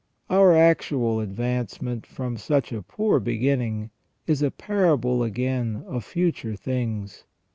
Our actual advancement from such a poor beginning is a parable again of future things.